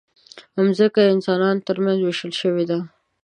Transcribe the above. مځکه د انسانانو ترمنځ وېشل شوې ده.